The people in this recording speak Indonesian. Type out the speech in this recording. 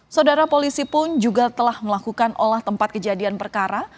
saudara polisi pun juga telah melakukan olah tempat kejadian perkara